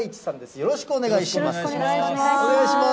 よろしくお願いします。